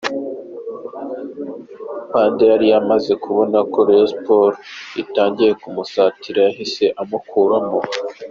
Mphande yari amaze kubona ko Rayon Sports itangiye kumusatira, yahise akuramo.